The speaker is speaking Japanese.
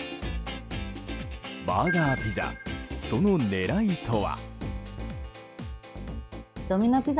バーガーピザ、その狙いとは？